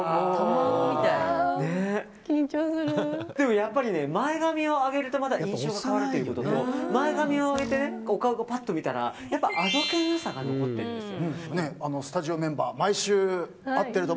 やっぱり前髪を上げるとまた印象が変わるということで前髪を挙げてお顔をパッと見たらあどけなさが残ってるんですよ。